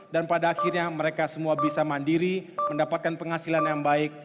dan pada akhirnya mereka semua bisa mandiri mendapatkan penghasilan yang baik